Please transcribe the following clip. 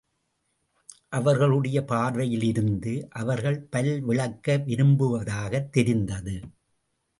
அவர்களுடைய பார்வையிலிருந்து, அவர்கள் பல் விளக்க விரும்புவதாகத் தெரிந்தது.